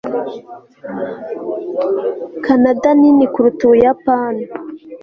kanada nini kuruta ubuyapani